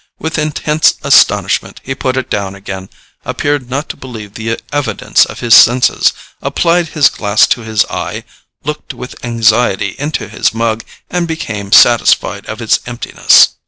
With intense astonishment he put it down again, appeared not to believe the evidence of his senses, applied his glass to his eye, looked with anxiety into his mug, and became satisfied of its emptiness.